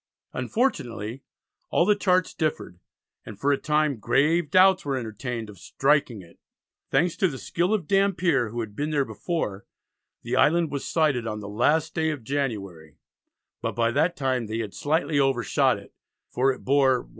Unfortunately all the charts differed, and for a time grave doubts were entertained of "striking it." Thanks to the skill of Dampier, who had been there before, the island was sighted on the last day of January, but by that time they had slightly overshot it, for it bore "W.S.